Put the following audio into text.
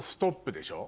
でしょ。